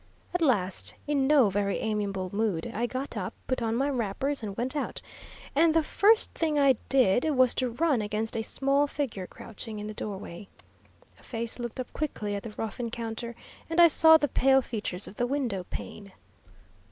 "At last, in no very amiable mood, I got up, put on my wrappers, and went out; and the first thing I did was to run against a small figure crouching in the doorway. A face looked up quickly at the rough encounter, and I saw the pale features of the window pane.